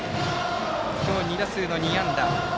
今日２打数の２安打。